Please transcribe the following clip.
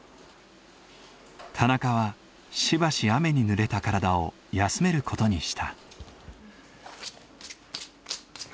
田中はしばし雨にぬれた体を休める事にした。